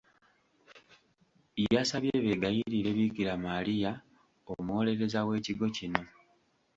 Yabasabye beegayirire Bikira Maria omuwolereza w’ekigo kino.